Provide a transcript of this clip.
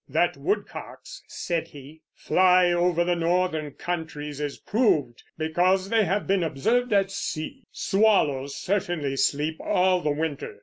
"That woodcocks," said he, "fly over the northern countries is proved, because they have been observed at sea. Swallows certainly sleep all the winter.